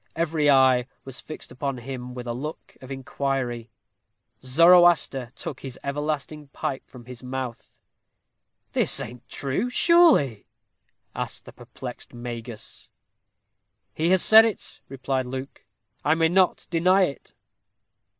Every eye was fixed upon him with a look of inquiry. Zoroaster took his everlasting pipe from his mouth. "This ain't true, sure_ly_?" asked the perplexed Magus. "He has said it," replied Luke; "I may not deny it."